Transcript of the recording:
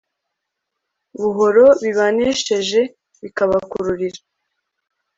buhoro bibanesheje bikabakururira